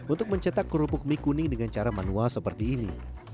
untuk mencetak kerupuk mie kuning dengan cara manual seperti ini